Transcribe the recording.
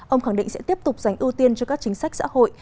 ông khẳng định sẽ tiếp tục dành ưu tiên cho các chính sách xã hội